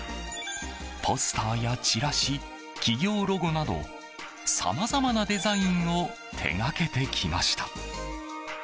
ポスターやチラシ、企業ロゴなどさまざまなデザインを手掛けてきました。